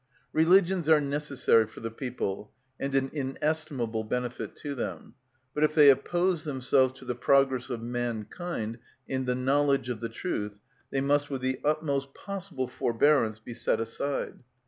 Religions are necessary for the people, and an inestimable benefit to them. But if they oppose themselves to the progress of mankind in the knowledge of the truth, they must with the utmost possible forbearance be set aside.